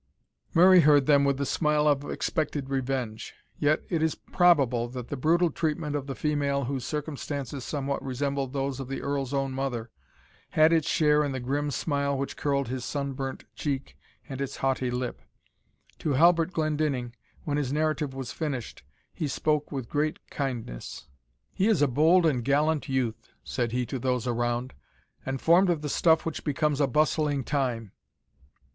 Murray heard them with the smile of expected revenge; yet it is probable that the brutal treatment of the female, whose circumstances somewhat resembled those of the Earl's own mother, had its share in the grim smile which curled his sun burnt cheek and its haughty lip. To Halbert Glendinning, when his narrative was finished, he spoke with great kindness. "He is a bold and gallant youth," said he to those around, "and formed of the stuff which becomes a bustling time.